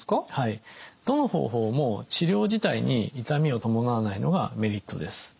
どの方法も治療自体に痛みを伴わないのがメリットです。